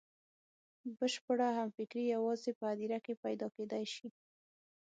بشپړه همفکري یوازې په هدیره کې پیدا کېدای شي.